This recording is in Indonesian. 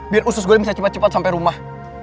biar usus gue bisa cepat cepat sampai rumah